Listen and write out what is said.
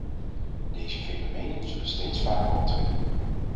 Deze fenomenen zullen steeds vaker optreden.